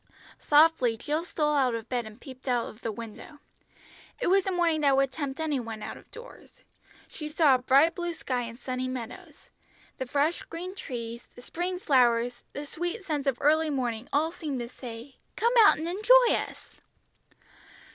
Softly Jill stole out of bed and peeped out of the window. It was a morning that would tempt any one out of doors. She saw a bright blue sky and sunny meadows. The fresh green trees, the spring flowers, the sweet scents of early morning all seemed to say, "Come out and enjoy us!"